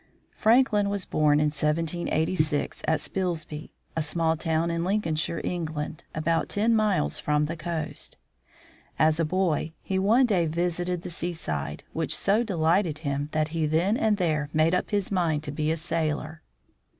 Franklin was born in 1786 at Spilsby, a small town in Lincolnshire, England, about ten miles from the coast. As a boy, he one day visited the seaside, which so de lighted him that he then and there made up his mind to be a sailor.